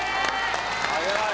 早い。